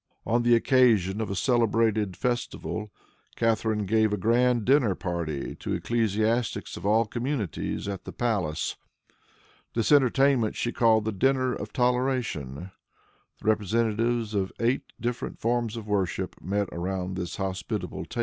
On the occasion of a celebrated festival, Catharine gave a grand dinner party to ecclesiastics of all communions at the palace. This entertainment she called the "Dinner of Toleration." The representatives of eight different forms of worship met around this hospitable board.